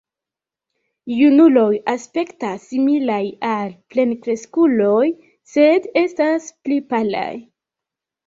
Junuloj aspektas similaj al plenkreskuloj, sed estas pli palaj.